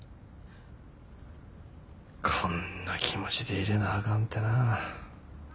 こんな気持ちで入れなあかんてなぁ。